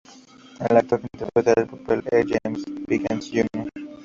El actor que interpreta el papel es James Pickens Jr.